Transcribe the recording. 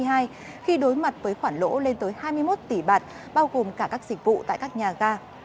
khi đối mặt với khoản lỗ lên tới hai mươi một tỷ bạt bao gồm cả các dịch vụ tại các nhà ga